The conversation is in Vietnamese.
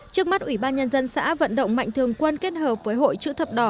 trước mắt ủy ban nhân dân xã vận động mạnh thường quân kết hợp với hội chữ thập đỏ